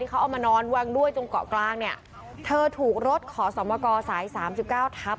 เขาเอามานอนวางด้วยตรงเกาะกลางเนี่ยเธอถูกรถขอสมกสายสามสิบเก้าทับ